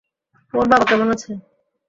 ওর বাবা কেমন আছে?